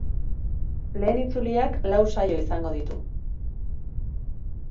Lehen itzuliak lau saio izango ditu.